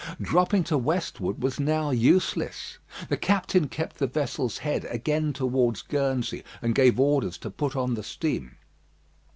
Dropping to westward was now useless. The captain kept the vessel's head again towards Guernsey, and gave orders to put on the steam.